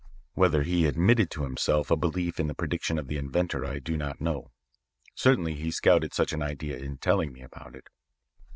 Whether he admitted to himself a belief in the prediction of the inventor, I do not know. Certainly he scouted such an idea in telling me about it.